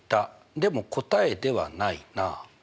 でも答えではないな。